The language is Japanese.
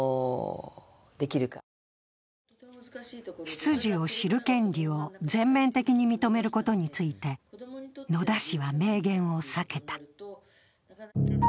出自を知る権利を全面的に認めることについて野田氏は明言を避けた。